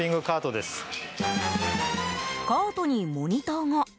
カートにモニターが。